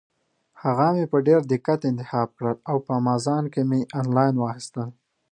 هغه مې په ډېر دقت انتخاب کړل او په امازان کې مې انلاین واخیستل.